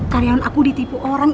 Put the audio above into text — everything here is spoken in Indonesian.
karyawan aku ditipu orang